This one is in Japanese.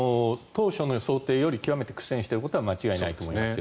当初の予想より極めて苦戦していることは間違いないと思います。